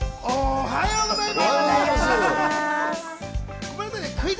おはようございます。